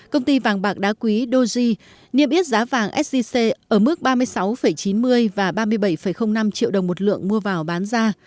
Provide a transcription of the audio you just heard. công ty vàng bạc đá quý doji niêm yết giá vàng sgc ở mức ba mươi sáu chín mươi và ba mươi bảy năm triệu đồng một lượng mua vào bán ra